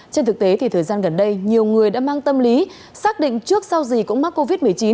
trên thực tế thì thời gian gần đây nhiều người đã mang tâm lý xác định trước sau gì cũng mắc covid một mươi chín